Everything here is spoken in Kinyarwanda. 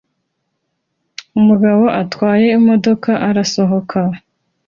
Umugabo atwaye imodoka arasohoka